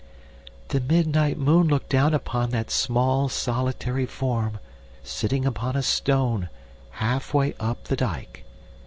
"The midnight moon looked down upon that small, solitary form, sitting upon a stone, halfway up the dike.